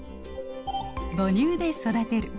「母乳で育てる」。